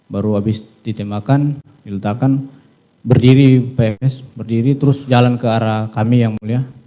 baru habis ditembakkan diletakkan berdiri ps berdiri terus jalan ke arah kami yang mulia